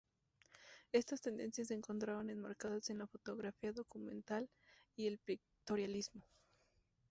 Estas tendencias se encontraban enmarcadas en la fotografía documental y el pictorialismo.